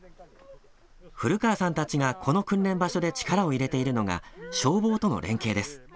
古川さんたちがこの訓練場所で力を入れているのが消防との連携です。